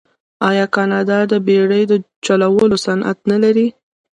آیا کاناډا د بیړۍ چلولو صنعت نلري؟